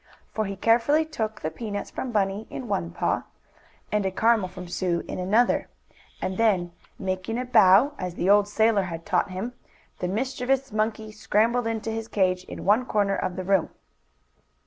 For he carefully took the peanuts from Bunny in one paw, and a caramel from Sue in another, and then, making a bow, as the old sailor had taught him, the mischievous monkey scrambled into his cage in one corner of the room.